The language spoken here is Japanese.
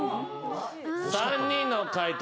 ３人の解答